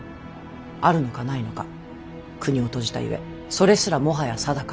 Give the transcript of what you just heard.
あるのかないのか国を閉じたゆえそれすらもはや定かではない。